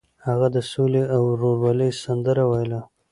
هغه د سولې او ورورولۍ سندره ویله.